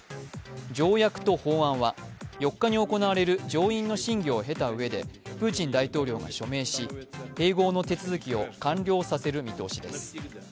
条約と法案は４日に行われる上院の審議を経たうえでプーチン大統領が署名し、併合の手続きを完了させる見通しです。